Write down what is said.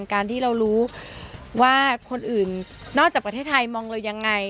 การที่เรารู้ว่าคนอื่นนอกจากประเทศไทยมองเรายังไง